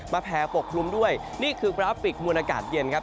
แผ่ปกคลุมด้วยนี่คือกราฟิกมวลอากาศเย็นครับ